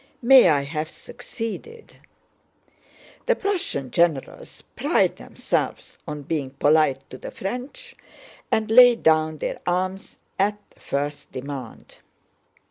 May I have succeeded!' The Prussian generals pride themselves on being polite to the French and lay down their arms at the first demand.